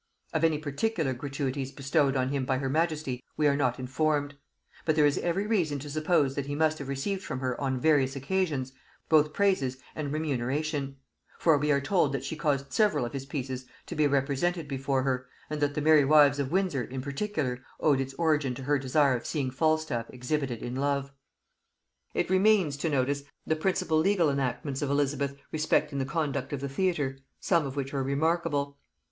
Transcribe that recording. Of any particular gratuities bestowed on him by her majesty we are not informed: but there is every reason to suppose that he must have received from her on various occasions both praises and remuneration; for we are told that she caused several of his pieces to be represented before her, and that the Merry Wives of Windsor in particular owed its origin to her desire of seeing Falstaff exhibited in love. It remains to notice the principal legal enactments of Elizabeth respecting the conduct of the theatre, some of which are remarkable.